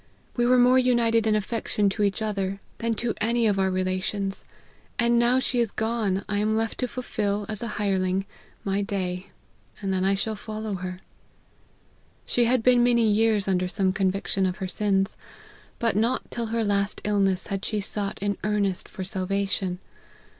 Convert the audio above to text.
We were more united in affection to each other, than to any of our relations : and now she is gone, I am left to fulfil, as a hireling, my day, and then I shall follow her. She had been many years under some conviction of her sins, but not till her last illness had she sought in earnest for salvation.